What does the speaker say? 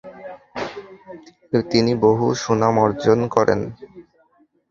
তিনি বহু সুনাম অর্জন করেন।